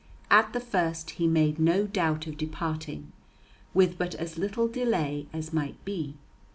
At the first he made no doubt of departing with but as little delay as might be.